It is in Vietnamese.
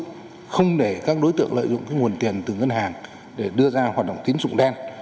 không để các đối tượng lợi dụng nguồn tiền từ ngân hàng để đưa ra hoạt động tín dụng đen